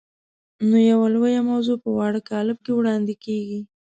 نو یوه لویه موضوع په واړه کالب کې وړاندې کېږي.